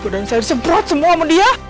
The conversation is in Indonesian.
dan saya disemprot semua sama dia